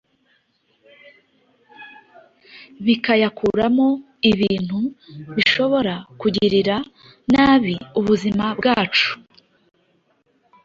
bikayakuramo ibintu bishobora kugirira nabi ubuzima bwacu,